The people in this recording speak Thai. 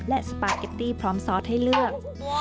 และสปาเกตตี้พร้อมซอสให้เลือก